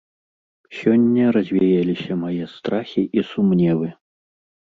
Сёння развеяліся мае страхі і сумневы!